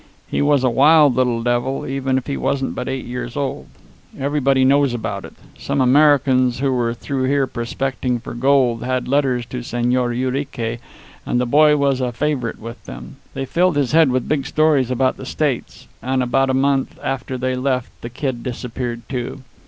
He was a wild little devil, even if he wasn't but eight years old. Everybody knows about it. Some Americans who were through here prospecting for gold had letters to Señor Urique, and the boy was a favorite with them. They filled his head with big stories about the States; and about a month after they left, the kid disappeared, too.